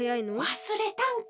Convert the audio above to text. わすれたんか。